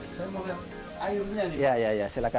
saya mau lihat airnya nih pak